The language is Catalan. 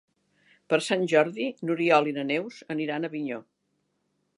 Per Sant Jordi n'Oriol i na Neus aniran a Avinyó.